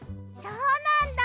そうなんだ。